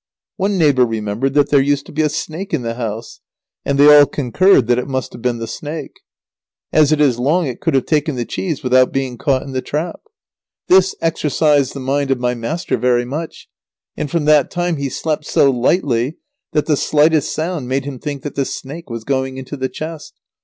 One neighbour remembered that there used to be a snake in the house, and they all concurred that it must have been the snake. [Sidenote: It must have been a snake.] As it is long it could have taken the cheese without being caught in the trap. This exercised the mind of my master very much, and from that time he slept so lightly that the slightest sound made him think that the snake was going into the chest.